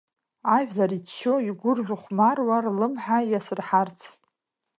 Ажәлар иччо, игәырӷьо-хәмаруа, рлымҳа иасырҳарц.